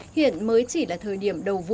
hiện mới chỉ là thời điểm đầu vụ